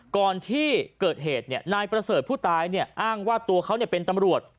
ก่อนที่เกิดเหตุนายประเสริฐผู้ตายอ้างว่าตัวเขาเป็นตำรวจ